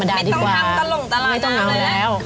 ไม่ต้องทำตลกตลาดน้ำไม่ต้องเอาแล้ว